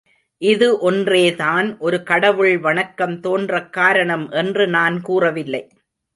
இது ஒன்றேதான் ஒரு கடவுள் வணக்கம் தோன்றக் காரணம் என்று நான் கூறவில்லை.